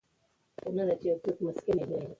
پسه د افغانستان د اقلیمي نظام یو ښکارندوی ده.